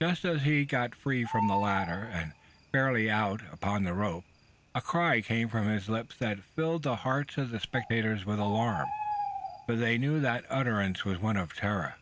Just as he had got free from the ladder, and fairly out upon the rope, a cry came from his lips that thrilled the hearts of the spectators with alarm: for they knew that the utterance was one of terror.